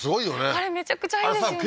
あれめちゃくちゃいいですよね